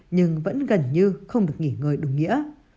nhưng vẫn gần như không được nghỉ ngơi đúng nghĩa